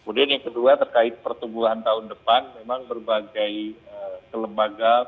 kemudian yang kedua terkait pertumbuhan tahun depan memang berbagai kelembagaan